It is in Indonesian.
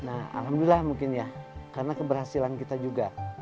nah alhamdulillah mungkin ya karena keberhasilan kita juga